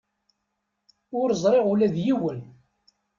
Ur zṛiɣ ula d yiwen.